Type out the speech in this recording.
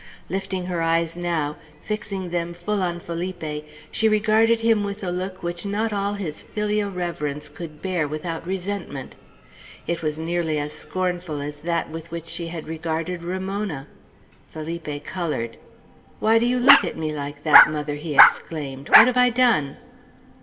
Lifting her eyes now, fixing them full on Felipe, she regarded him with a look which not all his filial reverence could bear without resentment. It was nearly as scornful as that with which she had regarded Ramona. Felipe colored. "Why do you look at me like that, mother?" he exclaimed. "What have I done?"